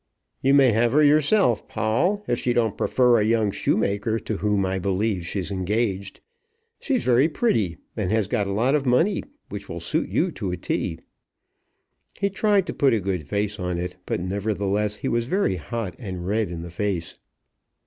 "You may have her yourself, Poll, if she don't prefer a young shoemaker, to whom I believe she's engaged. She's very pretty, and has got a lot of money which will suit you to a T." He tried to put a good face on it; but, nevertheless, he was very hot and red in the face.